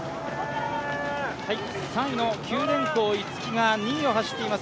３位の九電工、逸木が２位を走っています